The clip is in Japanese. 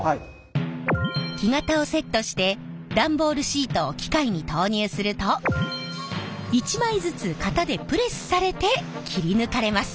木型をセットして段ボールシートを機械に投入すると一枚ずつ型でプレスされて切り抜かれます。